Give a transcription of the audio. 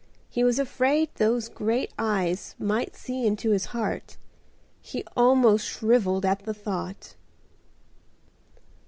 He was afraid those great eyes might see into his heart. He almost shrivelled at the thought.